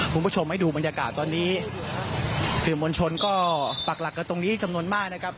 คุณผู้ชมให้ดูบรรยากาศตอนนี้สื่อมวลชนก็ปักหลักกันตรงนี้จำนวนมากนะครับ